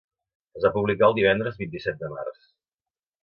Es va publicar el divendres vint-i-set de març.